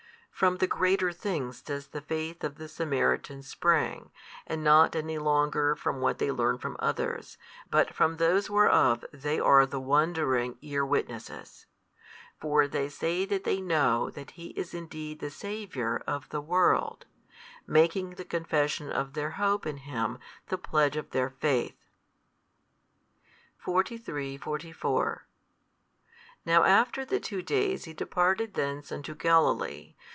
From the greater things does the faith of the Samaritans spring, and not any longer from what they learn from others, but from those whereof they are the wondering ear witnesses. For they say that they know that He is indeed the Saviour of the world, making the confession of their hope in Him the pledge of their faith. 43, 44 Now after the two days He departed thence unto Galilee.